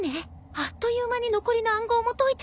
あっという間に残りの暗号も解いちゃったのよ。